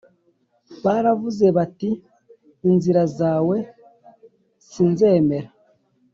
baravuze bati inzira zawe si nzemera